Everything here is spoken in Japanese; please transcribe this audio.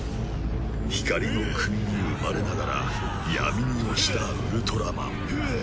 光の国に生まれながら闇に落ちたウルトラマン。